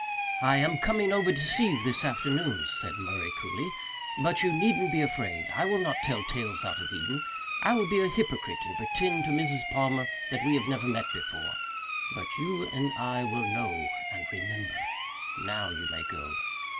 "I am coming over to see you this afternoon," said Murray coolly. "But you needn't be afraid. I will not tell tales out of Eden. I will be a hypocrite and pretend to Mrs. Palmer that we have never met before. But you and I will know and remember. Now, you may go.